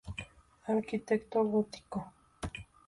Arquitecto gótico.